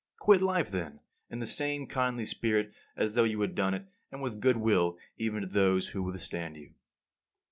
Quit life then, in the same kindly spirit as though you had done it, and with goodwill even to those who withstand you.